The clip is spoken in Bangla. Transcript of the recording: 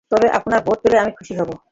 তবে, আপনাদের ভোট পেলে আমি খুশী হব।